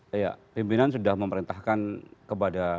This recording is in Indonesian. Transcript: pemimpinan sudah memerintahkan kepada